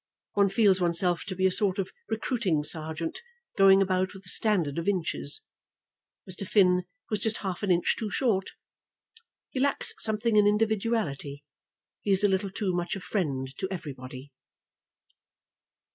One feels oneself to be a sort of recruiting sergeant, going about with a standard of inches. Mr. Finn was just half an inch too short. He lacks something in individuality. He is a little too much a friend to everybody."